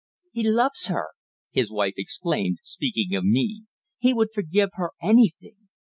"He loves her!" his wife exclaimed, speaking of me. "He would forgive her anything.